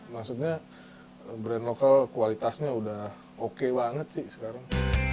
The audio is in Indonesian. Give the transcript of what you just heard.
maksudnya brand lokal kualitasnya udah oke banget sih sekarang